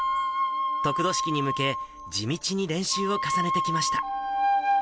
得度式に向け、地道に練習を重ねてきました。